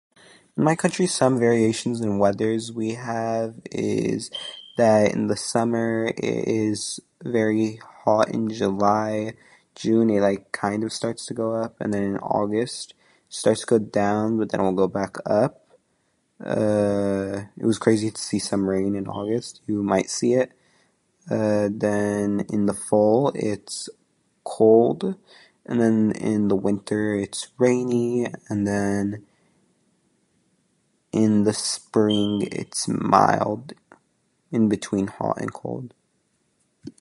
My country's some variations in weathers we have is, that in the summer it is very hot in July, June, it like, kind of starts to go up, and then in August it starts to go down, but then it'll go back up. Uh, it was crazy to see some raining in August, you might see it. Uh, then, in the fall, it's cold, and then in the winter it's rainy, and then... in the spring it's mild, in between hot and cold.